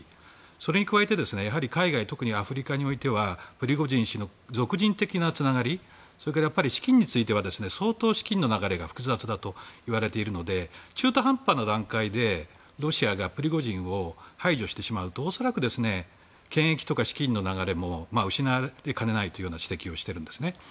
それに加えて海外、特にアフリカにおいてはプリゴジン氏のつながりそれから資金については相当、流れが複雑だといわれているので中途半端な段階でロシアがプリゴジンを排除してしまうと恐らく権益とか資金の流れも失われかねないという指摘をしているんですね。